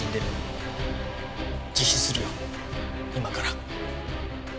自首するよ今から。